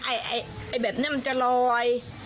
แบบนี้มันจะลอย